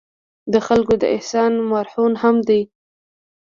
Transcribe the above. د خلکو د احسان مرهون هم دي.